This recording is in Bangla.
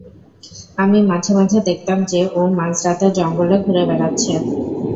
আমি মাঝেমাঝে দেখতাম যে, ও মাঝরাতে জঙ্গলে ঘুরে বেড়াচ্ছে।